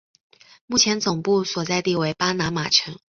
目前总部所在地为巴拿马城。